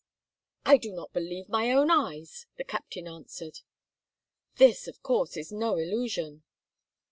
"I do not believe my own eyes!" the captain answered. "This, of course, is no illusion."